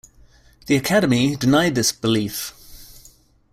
The Academy denied this "belief".